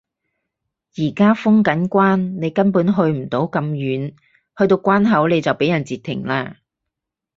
而家封緊關你根本去唔到咁遠，去到關口你就畀人截停啦